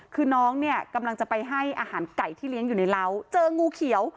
คือน้องเนี่ยกำลังจะไปให้อาหารไก่ที่เลี้ยงอยู่ในเหล้าเจองูเขียว